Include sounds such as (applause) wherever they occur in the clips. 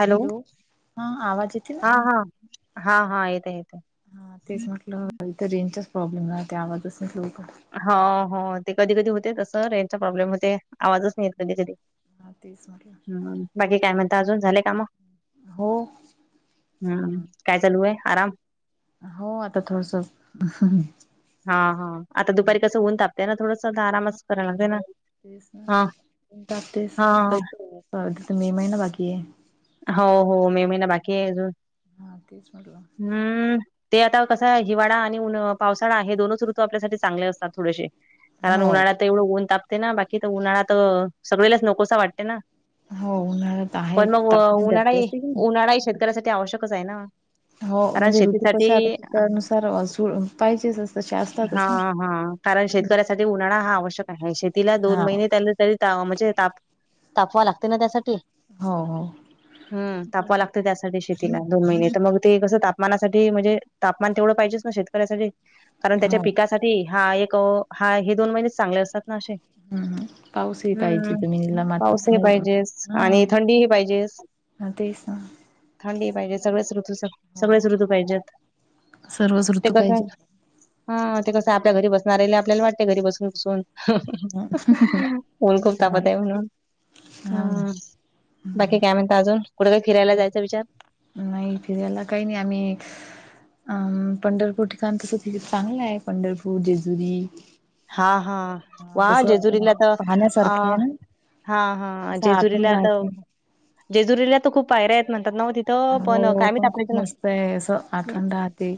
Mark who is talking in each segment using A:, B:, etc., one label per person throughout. A: Hello!
B: हा आवाज येते ना
A: हां हां. हां हां येताय येत
B: हां तेच म्हटलं इथं रेंजचाच प्रॉब्लेम राहतय आवाजच नाही येत लवकर.
A: हो हो ते कधी कधी होतंय तसं रेंजचा प्रॉब्लेम होतंय आवाजच नाहीे येत कधी कधी.
B: हां तेच म्हटलं.
A: मग बाकी काय म्हणता अजून झाले काम,
B: हो
A: हम्म काय चालू आहे आराम?
B: हो आता थोडस
A: हां हां आता दुपारी कसं ऊन तापते ना थोडस आरामच करायला लागते ना.
B: तेच ना
A: हा
B: ऊन
A: हा
B: तापतयचं आता (unintelligible) तिथ मे महिना बाकी आहे.
A: हो हो मे महिना बाकी आहे अजून.
B: हां तेच म्हटलं.
A: हम्म ते आता कसं आहे हिवाळा आणि उन्ह पावसाळा हे दोनच ऋतू आपल्यासाठी चांगले असतात थोडेसे. कारण
B: हो
A: उन्हाळात तर एवढं उन्ह तापते ना बाकी तर उन्हाळा तर सगळेलाच नकोसा वाटते ना.
B: हो उन्हाळ्यात आहे
A: व
B: तापमान जास्त
A: उन्हाळाही
B: असते की नाही
A: उन्हाळाही शेतकऱ्यासाठी आवश्यकच आहे ना!
B: हो
A: कारण
B: म्हणजे ऋतू
A: शेतीसाठी
B: कस आता (unintelligible) नुसार झुळ पाहिजेच असतच तसे असतात
A: हा
B: च ना.
A: हा कारण शेतकऱ्यासाठी उन्हाळा हा आवश्यक आहे शेतीला
B: हा
A: दोन महिने त्याला तरी म्हणजे ताप तापवा लागते ना त्यासाठी.
B: हो हो.
A: हम्म तापवाय लागतंय
B: बरोबर
A: त्यासा शेतीला दोन महिने तर मग ते कस तापमानासाठी म्हणजे तापमान तेवढं पाहिजेच ना शेतकऱ्यासाठी. कारण
B: हो
A: त्याच्या पिकासाठी हा एक हा हे दोन महिनेच चांगले असतात. नाशिक,
B: हम् हम पाऊसही पाहिजे
A: हम्म
B: जमिनीला मातीच
A: पाऊसही
B: हा
A: पाहिजे आणि थंडीही पाहिजे जेच
B: तेच ना
A: थंडीही पाहिजे सगळेच ऋतू स
B: हो
A: सगळेच ऋतू पाहिजेत
B: सर्वच
A: ते
B: ऋतू
A: कस आहे
B: पाहिजे
A: ना हा ते कसं आपल्या घरी बसणार आपल्याला वाटते घरी बसून बसून.
B: हा
A: हम उन्ह खूप
B: हा
A: तापत आहे म्हणून
B: ना
A: हम्. बाकी काय म्हणता अजून कुठे काही फिरायला जायचचा विचार
B: नाही फिरायला काही नाही आम्ही अम पंढरपूर ठिकाण तसं चांगलं आहे पंढरपूर, जेजुरी
A: हा, हा वा
B: तसं
A: जेजुरीला तर अ
B: पाहण्यासारखे आहे ना
A: हा, हा
B: असं आठवण
A: जेजुरीला आता
B: राहते
A: जेजुरीला तर खूप पायऱ्या आहेत म्हणतात ना तिथ
B: हो पण खूप मस्त आहे आठवण राहते.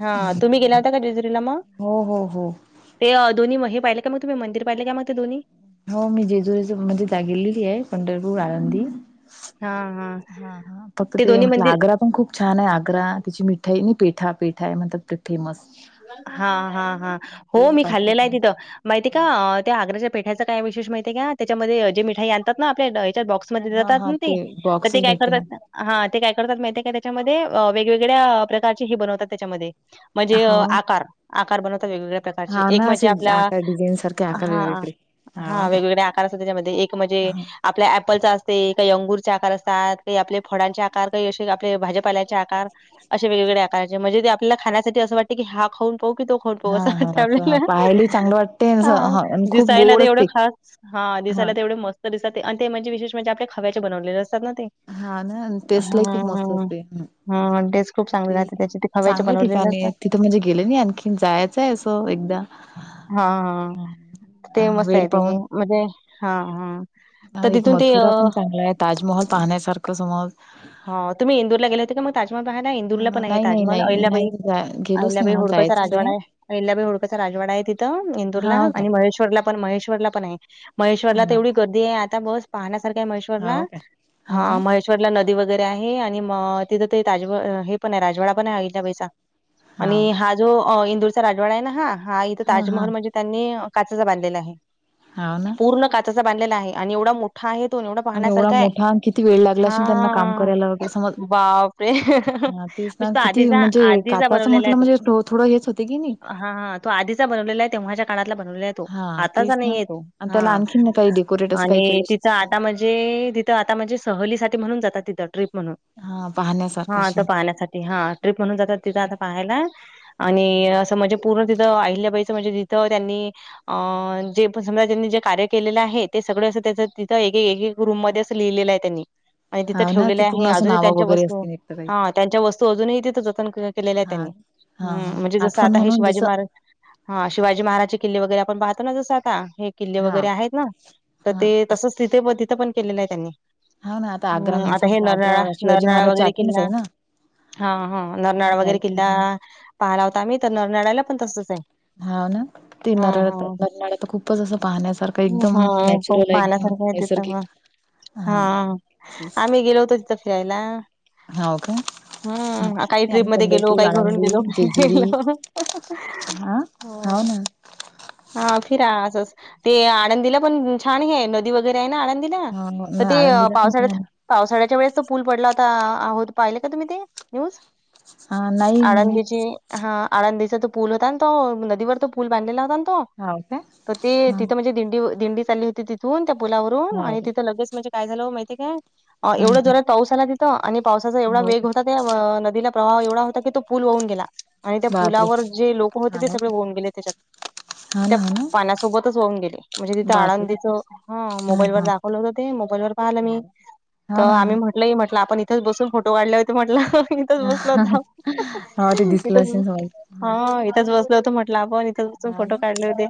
A: हा तुम्ही गेला होता का जेजुरीला मग?
B: हो, हो, हो.
A: ते दोन्ही हे पाहिले का मग तुम्ही मंदिर पाहिले का मग ते दोन्ही
B: हो मी जेजूरी म्हणजे जा गेलेली आहे पंढरपूर, आळंदी हा, हा फक्त ते
A: दोन्ही
B: म्हटलं
A: मंदिर
B: आग्रा पण खूप छान आहे. आग्रा तिची मिठाई नाही पेठा, पेठा आहे म्हणतात. फेमस
A: हा, हा हा हो
B: तेच
A: मी
B: बाकी
A: खाल्लेलं आहे
B: काय
A: तिथं माहितीय का
B: हा
A: त्या आग्राच्या पेठायचा काय विशेष माहितीय का त्याच्यामध्ये जे मिठाई आणतात ना आपल्या्याच्या बॉ म
B: हा
A: जातात
B: हा
A: ना ते तर ते
B: बॉक्सच
A: काय
B: भेटते ना
A: करतात. हा ते काय करतात माहित का त्याच्यामध्ये वेगवेगळ्या प्रकारची हे बनवतात त्याच्यामध्ये म्हणजे
B: हो
A: आकार आकार बनवता वेगवेगळ्या प्रकार
B: हा ना
A: म्हणजे
B: असे
A: आपला
B: आकार डिझाईन सारखे आकार
A: हा
B: वेगवेगळे
A: हा
B: हाव काय
A: वेगवेगळे आकार असतात एक म्हणजे.
B: हा
A: आपल्या ऍपलचा असते काही अंगूरचे आकार असतात काही आपले फळांचे आकार काही असे आपले भाजीपाल्याचे आकार. असे वेगवेगळे आकाराचे म्हणजे आपल्या खाण्यासाठी असं वाटतं की हा खाऊ
B: हा
A: अस
B: हा असं
A: त्याळेला
B: पाहायला चांगलं वाटते आणि
A: हा
B: असं हां आणि खूप
A: दिसायला
B: गोड
A: ते एवढं
B: असते
A: खास हा दिसायला तेवढे मस्त दिसातत ते आणि ते म्हणजे विशेष म्हणजे आपल्या खव्याचे बनवलेले असतात ना ते.
B: हा ना टेस्टला ही खूप मस्त असते.
A: हा टेस्ट खूप चांगली राहते त्याच्या ते खवायचे
B: चांगल्या
A: बनवलेले.
B: ठिकाणी आहेत तिथं गेले नाही आणखीन जायचंय असं एकदा
A: हा हा,
B: अ,
A: ते मस्त
B: वेळ
A: आहेे ते, म्हणजे हा हा. तर
B: आणि एक
A: तिथून ते
B: मथुरा पण
A: अ
B: चांगला आहे, ताजमहल पाहण्यासारखं समज.
A: हा, तुम्ही इंदुरला गेले होते का मग ताजमहल पाहायला,
B: अ
A: इंदूरला पण आहे
B: नाही नाही
A: ताजमहल
B: नाही नाही
A: अहिल्याबाई
B: जा गेलोच नाही
A: अहिल्याबाई
B: म्हणा
A: होळकरचा
B: जायचंच
A: राजवाडा आहे, अहिल्याबाई होळकरचा राजवाडा आहे तिथं
B: हा
A: इंदूरला,
B: हो काय
A: आणि महेश्वरला पण महेश्वरला पण आहे, महेश्वरला तर तेवढी
B: हा
A: गर्दी आहे आता बस पाहण्यासारख्या आहे महेश हो ना, हो महेश श्वरला नदी वगैरे आहे, आणि मग तिथं ते हे पण आहे राजवाडा पण आहे अहिल्याबाई चा
B: हो
A: आणि
B: का
A: हा जो इंदूरचा राजवाडा आहे ना हा, हा इथं
B: हा
A: ताजमहल म्हणजे त्यांनी काचेचा बांधलेला आहे.
B: हाव ना.
A: पूर्ण काचेचा बांधलेला आहे, आणि एवढा मोठा ठा आहे तो आणि एवढा
B: आणि एवढा
A: पाहण्यासारखा आहे.
B: मोठा आणि किती वेळ लागला अशेन त्यांना काम
A: हा
B: करायला वगैरे समज,
A: बापरे! म्हणजे तो
B: कि
A: आधीचा
B: म्हणजे
A: आधीचा
B: काचंच म्हटलं म्हणजे थोड हेच होतं. तिघींनी
A: हा हा, तो आधीचा बनवलेला आहे, तेव्हाच्या काळातला बनवलेला आहे.
B: हा
A: आताचा
B: तेच ना
A: नाहीये तो,
B: आणि
A: हा,
B: त्याला आणखीन काही डेकोरेट असं काही
A: आणि तिथ
B: केलं
A: आता म्हणजे ते तिथं आता म्हणजे सहलीसाठी म्हणून जातात तिथं ट्रीप म्हणून.
B: हा पाहण्यासारखं
A: हा
B: अशी
A: आता पाहण्यासाठी, हा ट्रीप म्हणून जातात तिथं आता पाहायला. आणि असं म्हणजे पूर्ण तिथं आहिल्या बाइचं म्हणजे तिथं त्यांनी अ जे पण समजा ज्यांनी जे कार्य केलेलं आहे, ते सगळं असं त्याचं तिथं एक एक रूममध्ये असं लिहिलेलं आहे त्यांनी. तिथ
B: हा ना
A: ठेवलेलं
B: ती
A: आहे
B: पूर्ण असं
A: अजूनही
B: नावं
A: त्यांच्या
B: वगैरे
A: वस्तू,
B: असतील एक तर काही
A: हं त्यांच्या वस्तू अजूनही तिथं जतन केलेलं आहे
B: हा
A: त्यांनी,
B: हा
A: हं
B: हा
A: म्हणजे जसं
B: आठवण
A: आता हे
B: म्हणून
A: शिवाजी
B: जसं
A: महाराज हा शिवाजी महाराजचे किल्ले वगैरे आपण पाहतो ना जसं आता हे किल्ले
B: हा
A: वगैरे आहेत ना, तर
B: हा
A: ते तसच तिथे पण तिथे पण केलेलं आहे त्यांनी.
B: हा ना, आता आग्र
A: हम्म आता
B: म्हणसां
A: हे
B: आग्रा,
A: नरनाळा
B: शिवाजी
A: नरनाळा
B: महाराजांच्या
A: वगैरे
B: आठवणच
A: किल्ला
B: आहे ना.
A: हा हा,
B: हा
A: नरनाळा
B: लाल
A: वगैरे किल्ला, पाहाला होता आम्ही तर नरनाळ्याला पण तसच आहे.
B: हा ना, ते
A: हा
B: नरळ
A: हा
B: नरनाळा तर खूपच असं पाहण्यासारखं एकदम
A: हा खूप
B: नॅचरल आहे एकदम
A: पाहण्यासारखं
B: नैसर्गिक.
A: आहे तिथं पण
B: नैसर्गिक
A: हा, आम्ही गेलो होतो तिथं फिरायला.
B: हाव का? ह,
A: हम्म काही
B: नाय
A: ट्रीप
B: आम्ही
A: मध्ये गेलो
B: पंढरपुर,
A: काही घरून
B: आळंदि,
A: गेलो
B: जेजुरी
A: गेलो.
B: आ हाव
A: हो
B: ना.
A: हा फिरा असंच, ते आळंदीला पण छान हे नदी वगैरे आहे ना आळंदीला ला, तर
B: ह
A: ते
B: आळंदीला पण
A: पावसाळ्यात
B: छान
A: पावसाळ्याच्या वेळेस तो पूल पडला होता, आहोत पाहिले का तुम्ही ते न्यूज?
B: हा नाही मी नाही
A: आळंदीची हा आळंदीचा तो पूल होता ना तो, नदीवर तो पूल बांधलेला होता ना तो.
B: हो काय
A: तर ते
B: हा
A: तिथं म्हणजे दिंडी, दिंडी चालली होती तिथून त्या पुलावरून,
B: हो
A: आणि
B: का
A: तिथं लगेच म्हणजे काय झालं माहितीय काय, एवढं
B: ह
A: जोरात पाऊस आला तिथं, आणि पावसाचा एवढा
B: हो
A: वेग
B: का
A: होता त्या नदीला प्रवाह एवढा होता की तो पुूल वाऊन गेला, आणि त्या
B: बापरे
A: पुलावर जे लोक होते,
B: हा
A: ते
B: ना
A: सगळे वाऊन गेले त्याच्यात.
B: हा ना
A: त्या
B: हा ना
A: पाण्यासोबतच वाहुन गेले, म्हणजे तिथं
B: बापरे
A: आळंदीच हा मोबाईल वर दाखवलं होत ते, मोबाईल वर पाहिलं मी.
B: हा हा
A: तर
B: हो
A: आम्ही म्हटलं मी म्हटलं आपण इथच बसून फोट टो, काढले होते म्हटलं, इथंच
B: ना
A: बसलो
B: हा
A: होतो
B: ना हा ते
A: आपण
B: दिसलं
A: इथंच
B: असेल सगळं.
A: हा इथंच बसलो होतो म्हटलं आपण, इथच बसून
B: हा
A: फोटो
B: ना
A: काढले होते,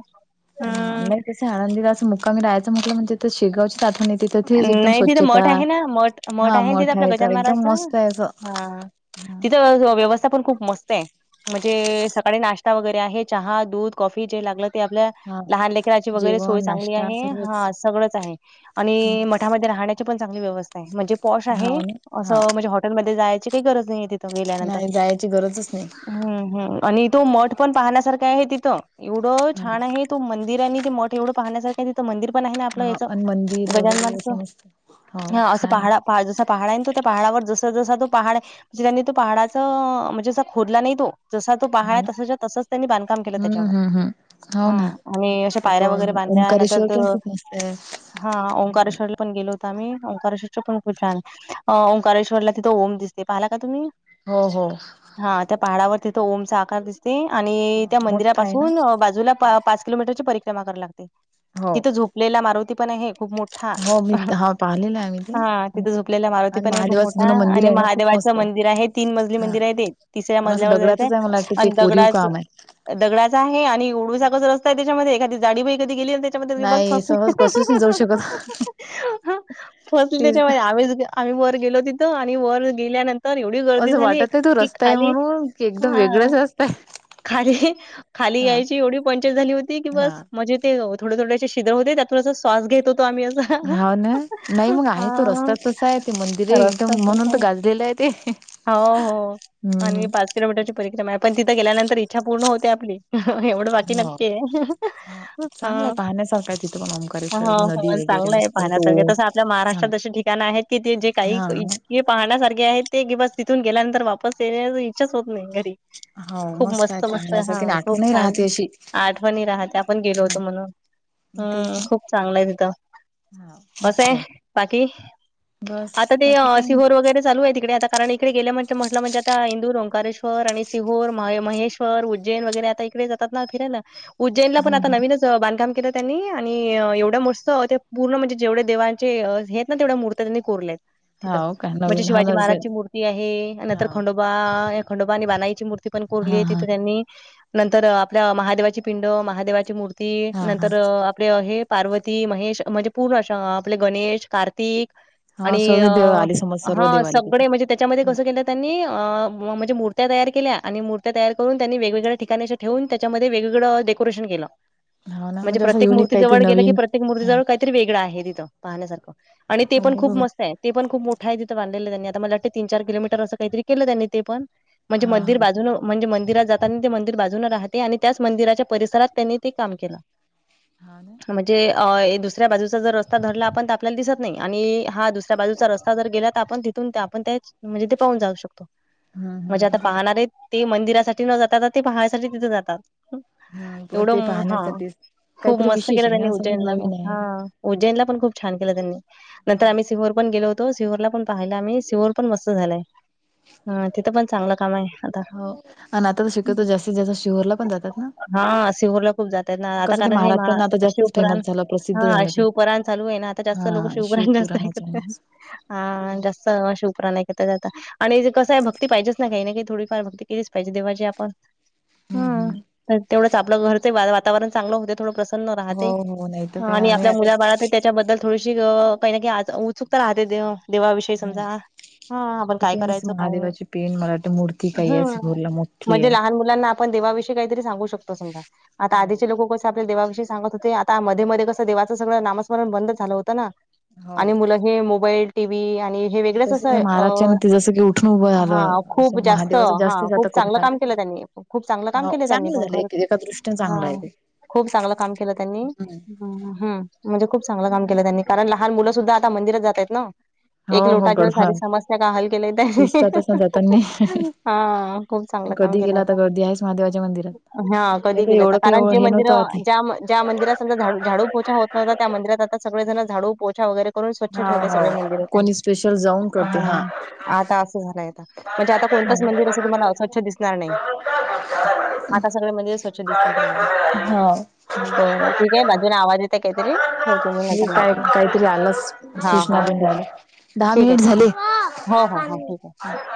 B: हा
A: हम्म.
B: नाही आळंदीला असं मुक्कामीला राहायचं म्हणलं तर शेगावची आठवण येते तर तेच एकदम
A: नाही तिथं
B: स्वच्छता
A: मठ आहे ना मठ
B: हा
A: आहे तिथं
B: मोठा
A: आपलं
B: तर
A: गजानन
B: एकदम
A: महाराजांच
B: मस्त आहे असं
A: हा
B: हा
A: तिथं व्यवस्थ व्यवस्था पण खूप मस्त आहे म्हणजे सकाळी नाश्ता वगैरे आहे चहा दूध कॉफी जे लागलं ते आपल्या
B: हा
A: लहान लेकराची वगैरे सोय
B: जेवण
A: चांगली
B: नाश्ता
A: आहे
B: सर्वच
A: हा सगळंच आहे आणि तिथ राहण्याची पण चांगली व्यवस्था आहे म्हणजे पॉश
B: हा
A: आहे
B: ना हा
A: असं म्हणजे हॉटेलमध्ये जायची काही गरज नाही तिथ गेल्यानंतर,
B: नाही जायची गरजच नाही
A: हम्म हम आणि तो मठ पण पाहण्यासारखं आहे तिथं एवढं
B: हा
A: छान आहे तो मंदिर आणि ते मठ एवढं पाहण्यासारखं आहे तिथ तिथ मंदिर पण आहे ना आपलं
B: हा
A: ह्याचं
B: आणि मंदिर
A: गजानन महाराजांचं
B: (unintelligible) हो छान
A: पहाड जसा पहाड आहे ना तो पहाडावर जस जसा पहाड म्हणजे त्यांनी पहाडाचां, म्हणजे असा खोदला नाही तो जसा तो पहाड आहे
B: छान
A: तशाच्या तसं त्यांनी बांधकाम केलं
B: हम्म
A: त्याच्यावर,
B: हम्म हम्म हो ना
A: हम आणि आशे
B: एक
A: पायऱ्या वगैरे
B: ओम-
A: बांधल्या नंतर
B: ओंकारेश्वर
A: त
B: पण खूप मस्त आहे.
A: हा हां ओंकारेश्वरला पण गेलो होतो आम्ही ओंकारेश्वरचं पण खूप छान अ ओंकारेश्वरला तिथं ओम दिसते पाहला का तुम्ही?
B: हो हो.
A: हा त्या पहाडावर तिथं ओमचा आकार दिसते आणि
B: हा
A: त्या
B: मोठा आहे ना
A: मंदिरापासून बाजूला प पाच किलोमीटरची परिक्रमा करा लागते
B: हो
A: तिथं झोपलेला मारुती पण अहे खूप मोठा.
B: हो मी हा पाहिलेलं आहे आम्ही ते
A: हा
B: हम्म.
A: तिथ झोपलेल्या मारुती
B: आणि
A: पणे खूप
B: महादेवाचं
A: मोठा
B: जुनं मंदिर
A: आणि
B: आहे ना खूप
A: महादेवाचं
B: मस्त
A: मंदिर आहे तीन मजली
B: हा
A: मंदिराय ते तिसऱ्या
B: आणि असं
A: मजल्यावर जायचंय
B: दगडाचच आहे मला वाटतं ते
A: आण
B: कोरीव
A: दगडाचं
B: काम आहे.
A: दगडाचं आहे आणि एवडूसाकच रस्ताय त्याच्यामध्ये एखादी जाडीबई कदी गेली ते त्याच्यामध्ये ती बस
B: नाही
A: फसली.
B: सहज कसेच नाही जाऊ शकत
A: फसली
B: तेच ना
A: च्यावेळी आम्ही च आम्ही वर गेलो तिथं आणि वर गेल्यानंत् तर एवढी गर्दी
B: असं
A: झाली
B: वाटत नाही तो
A: की
B: रस्ता आहे
A: खाली,
B: म्हणून की एकदम
A: हा
B: वेगळाच रस्ता आहे
A: खाली, खाली
B: हा
A: यायची एवढी पंचायत झाली होती की बस
B: हा.
A: मजेत ते थोडं थोडेेशे शिद होते त्यातुन असं स्वास घेत होतो आम्ही अ
B: हा ना नाई मंग आहे तो रस्तास तसाय ते मंदिरे
A: रस्ता
B: एकदम
A: तसा
B: म्हणून त
A: आहे.
B: गाजलेलंय ते.
A: हो हो.
B: हम्
A: आणि
B: हम.
A: किलोमीटरची परीक्रमाय पण तीथं गेल्यांतर इच्छा पूर्ण होते आपली. एवढं बाकी
B: हो.
A: नक्कीय,
B: हा चांगलंय
A: हां
B: पाहण्यासारखं आहे तिथं पण
A: हां
B: ओंकारेश्वर नदी
A: हां.
B: वगैरे
A: चांगलंय
B: मस्त तो
A: पाहण्यासारखं तसं आपल्या
B: हा
A: महाराष्ट्रात अशी ठिकाण आहेत की ते जे काही
B: हा
A: इतके पाहण्यासारखे आहे ते की बस तिथून गेल्यानंतर वापस येण्याच् इच्छाच होत नई घरी.
B: हो
A: खूप
B: आहे
A: मस्त मस्त हा
B: पाहण्यासाठी आणि
A: खूप
B: आठवणही
A: छान
B: राहते अशी
A: आठवणी राहत्या आपण गेलो होतो
B: हा
A: म्हणून.
B: तेच
A: हम्म खूप चांगलंय तिथं.
B: ना हा मस्त
A: असंय
B: आहे
A: बाकी
B: बस
A: आता ते
B: बाकी काय नाही
A: सिहोर वगैरे चालूय तिकडे आता कारण इकडे गेल्या म्हट म्हटलं म्हणजे आता इंदूर ओकारेश्वर आणि सिहोर म महेश्वर उज्जैन वगैरे आता इकडेच तात ना फिरायला उज्जैनला पण
B: हम्म
A: आता
B: हम्म
A: नवीनच बांधकाम केलं त्यांनी आणि एवढं मस्तं ते पुर्ण म्हणजे जेवढ्या देवाांचे हे आहेत ना तेवढ्या मूर्त्या त्यांनी कोरल्यायत. तिथं
B: हाव काय
A: म्हणजे
B: नवीन हा
A: शिवाजी
B: नर्सरी
A: महाराजची मूर्ती आहे नंतर
B: हाव
A: खंडो बा खंडोबा आणि बानाईची मूर्ती पण कोरली
B: हा
A: आहे
B: हा
A: तिथं त्यांनी नंतर आपल्या महादेवाची पिंड महादेवाची मूर्ती
B: हा हा
A: नंतर आपले हे पार्वती महेश म्हणजे पूर्ण अशं आपले गणेश कार्तिक
B: हा
A: आणि
B: सर्व
A: अ
B: देव आले समज सर्व
A: हां
B: देव आले तिथे
A: सगळे म्हणजे त्याच्यामध्ये कसं
B: हम्म
A: केलं त्यांनी अ म्हणजे मूर्त्या तयार केल्या आणि मूर्त्या तयार करून त्यांनी वेगवेगळ्या ठिकाणी अशे ठेवून त्याच्यामध्ये वेगवेगळं डेकोरेशन केलं.
B: हाव ना
A: म्हजे
B: म्हणजे असं
A: प्रत्येक
B: युनिक
A: मूर्ती
B: काहीतरी
A: जवळ गेलं कि
B: नवीन
A: प्रत्येक
B: हा
A: मूर्तीजवळ काय तरी वेगळं आहे तिथं पाहण्यासारखं आणि ते पण खूप
B: बरोबर
A: मस्तंय. ते पण खुप मोठाय तिथं बांधलेलं त्यांनी आता मला वाटते तीन चार किलोमीटर असं काईतरी केलं त्यांनी ते पण. म्हजे
B: हा
A: मंदिर
B: हा
A: बाजूनं म्हणजे मंदिरात जाताना ते मंदिर बाजून राहते आणि त्याच मंदिराच्या परिसरात त्यांनी ते काम केलं.
B: हान.
A: म्हजे अ ए दुस दुसऱ्या बाजूचा जर रस्ता धरला आपण त आपल्याल दिसत नई अणि हा दुसऱ्या बाजूचा रस्ता जर गेला त आपण तिथून आपण त्याईच् म्हणजे ते पाहून जाऊ शक् तो
B: हम्म
A: म्हजे आता
B: हम्म बोला.
A: पाहणारे ते मंदिरासाठी न जाता आता ते पाहण्यासाठी तिथं जातात.
B: हम्म पण
A: एवढं
B: ते
A: म हं
B: पाहण्यासाठीच
A: खूप
B: काहीतरी
A: मस्त
B: विशेष
A: केलं
B: आहे
A: त्यांनी
B: ना समज
A: उज्जैनला
B: नवीन
A: पण.
B: आहे.
A: ज्जैनला पण खूप छान केलं त्यांनीं नंतर
B: हा.
A: आम्ही सिहोर पण गेलो होत् तो सिहोरला पण पाहायला आम्ही. सिहोर पण मस्त झालाय. हं तिथं पण चांगलं कामय. आता,
B: हो आणि आता तर शक्यतो जास्तीत जास्त शिहोरला पण जातात ना.
A: ह सिहोरला खूप जात त ना आता
B: कसं ते
A: कारण, हे
B: महाराष्ट्रांना आता
A: महा
B: जास्तच
A: शिवपुराण.
B: फेमस झालं प्रसिद्ध
A: हा
B: झालं ते
A: शिवपराण चालूय ना आता. जास्त
B: हा
A: लोक शिवपुराण जास्त
B: शिवपुराणाच्या
A: ऐकतात.
B: म्हणच.
A: हा
B: हम्म
A: जास्त सर्व शिवपुराण ऐकतात आता. आणि कसयं, भक्ती पाहिजेच ना, काही ना काही. थोडीफार भक्ती केलीच पाहिजे, देवाची आपण. ह,
B: हम्म.
A: तर तेवढंच आपलं घरचे वा वातावरण चांगलं होते. थोडं प्रस
B: हो, हो. नाही. तर
A: ह
B: काय
A: आणि
B: आम्ही
A: आपल्या
B: आता
A: मुलाबाळातही त्याच्याबद्दल थोडीशी, अ काही ना काइ आस उत्सुकता राहते. देव देवाविषयी
B: ह
A: समजा. हा, आपण काय
B: तिथे मस
A: करायचं, काय नाही?
B: महादेवाची पेन मला वाटते मूर्ती काही
A: ह
B: आहे सिहोरला मोठी
A: म्हणजे
B: आहे.
A: लहान मुल मुलांना आपन देवाविषयी काहीतरी सांगू शकतो, समजा. आता
B: हो
A: आधीचे लोकं कसं, आपल्याला देवाविषयी सांगत होते. आता म मधेमधे कसं, देवाच सगळं नामस्मरण बंद झालं होतं ना. आणि
B: हो.
A: मुल हे मोबाईल, टी व्ही, आणि हे वेगळंच
B: तस
A: असं,
B: महाराजच्या
A: अ
B: न ते जसं की उठून उभं
A: हा खूप
B: झालं
A: जास्त,
B: महादेवाच
A: हा
B: जास्तच आता
A: खूप
B: करून
A: चांगलं काम
B: राहिले.
A: केलं त्यांनी. खूप चांगलं काम
B: हो
A: केलं त्यांनी
B: चांगलं
A: पण
B: झालं
A: खरं.
B: एक एका दृष्टीने
A: हा,
B: चांगलं आहे ते.
A: खूप चांगलं काम केलं त्यांनी.
B: हम्म.
A: हम म्हणजे खूप चांगलं काम केलं त्यांनी. कारण, लहान मुलं सुद्धा आता मंदिरात जातायत ना. एक
B: हो हो
A: लोटाच्या सारी
B: गडबड
A: समस्या का हल केलेय ते.
B: दिसतातच ना जातानी
A: (unintelligible) हा. खूप चांगलं काम
B: कधी
A: केलंय
B: गेला तर
A: आता.
B: गर्दी आहेच महादेवाच्या मंदिरात
A: हा
B: नाही
A: कधी गेलं तर,
B: एवढं काही
A: कारण
B: एव-
A: जे
B: हे नव्हतं
A: मंदिरं,
B: आधी
A: ज्या मं, ज्या मंदिरात समजा झाड- झाडू, पोछा होत नव्हता. त्या मंदिरात आता, सगळे जण झाडू, पोछा वगैरे करून स्वच्छ ठेवले
B: हा
A: सगळे
B: हो
A: मंदिर त्यांनी.
B: कोणी स्पेशल जाऊन करते
A: हा. आता असं झालंय. म्हणजे आता कोणतंच
B: हम्म.
A: मंदिर असं, तुम्हाला अस्वच्छ दिसणार नाही. आता सगळे मंदिर, स्वच्छ दिसतील तुम्हाली.
B: हा
A: बरंय. ठीकय, बाजूनं आवाज येत काहीतरी. ठेवते मी,
B: हे
A: नंतर
B: काय
A: लावतो ना.
B: काहीतरी
A: हा. हा. ठीकय.
B: धा मिनिट झाले.
A: हो, हो, हो. ठीकय.
B: काय झालं?